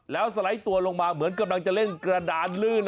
แล้วสไลด์ตัวลงมาเหมือนกำลังจะเล่นกระดานลื่น